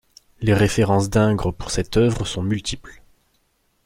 Les références d'Ingres pour cette œuvre sont multiples.